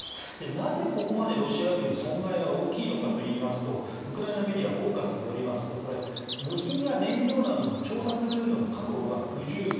なぜここまでロシア軍の損害が大きいのかといいますとウクライナメディアフォーカスによりますと部品や燃料などの調達ルートの確保が不十分。